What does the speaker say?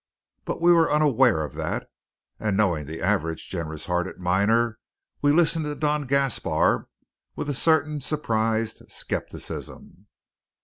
But we were unaware of that; and, knowing the average generous hearted miner, we listened to Don Gaspar with a certain surprised skepticism.